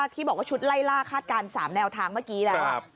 ที่บอกว่าชุดไล่ล่าคาดการณ์๓แนวทางเมื่อกี้แล้ว